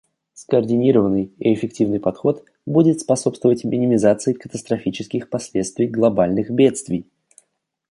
Скоординированный и эффективный подход будет способствовать минимизации катастрофических последствий глобальных бедствий.